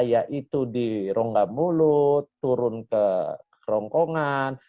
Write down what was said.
yaitu di rongga mulut turun ke kerongkongan